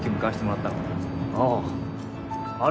ああ。